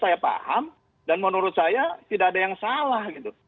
saya paham dan menurut saya tidak ada yang salah gitu